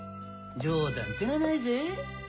冗談ってのはないぜ。